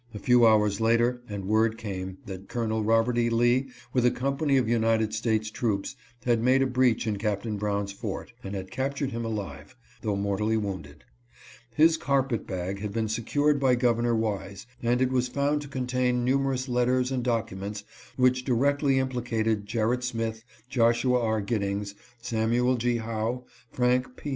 few hours later and word came that Colonel Robert E. Lee with a com pany of United States troops had made a breach in Capt. Brown's fort, and had captured him alive, though mortally wounded. His carpet bag had been secured by Governor Wise, and it was found to contain numerous letters and documents which directly implicated Gerritt Smith, Joshua R. Giddings, Samuel G. Howe, Frank P.